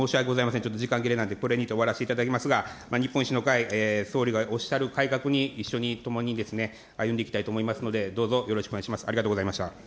ちょっと時間切れなんで、これにて終わらせていただきますが、日本維新の会、総理がおっしゃる改革に、一緒に、共に歩んでいきたいと思いますので、どうぞよろしくお願いいたします。